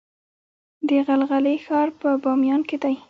د غلغلې ښار په بامیان کې دی